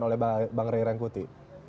oleh bang ray rengkuti